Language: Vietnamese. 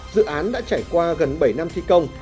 dự án đã trải qua gần bảy năm thi công